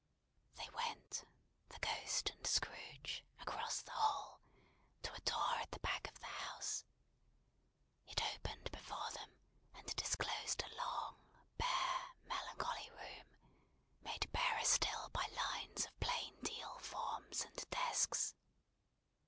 They went, the Ghost and Scrooge, across the hall, to a door at the back of the house. It opened before them, and disclosed a long, bare, melancholy room, made barer still by lines of plain deal forms and desks.